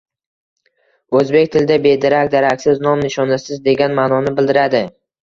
O‘zbek tilida bedarak -daraksiz, nom-nishonsiz degan ma’noni bildiradi.